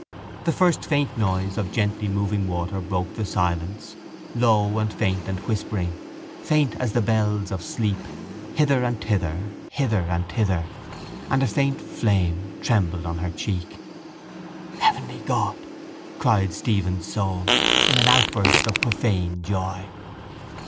The first faint noise of gently moving water broke the silence, low and faint and whispering, faint as the bells of sleep; hither and thither, hither and thither; and a faint flame trembled on her cheek. —Heavenly God! cried Stephen's soul, in an outburst of profane joy.